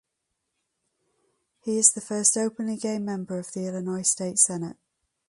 He is the first openly gay member of the Illinois State Senate.